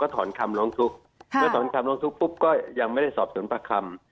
ถอนคำร้องทุกข์เมื่อถอนคำร้องทุกข์ปุ๊บก็ยังไม่ได้สอบสวนประคำ